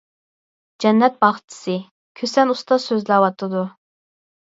«جەننەت باغچىسى»، كۈسەن ئۇستاز سۆزلەۋاتىدۇ.